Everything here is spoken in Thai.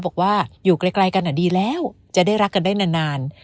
บอกว่าอยู่ไกลกันดีแล้วจะได้รักกันได้นาน